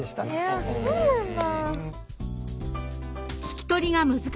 そうなんだ。